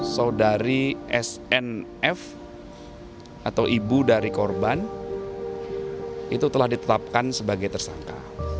saudari snf atau ibu dari korban itu telah ditetapkan sebagai tersangka